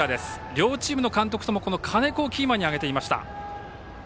両チームの監督ともこの金子をキーマンに挙げていました。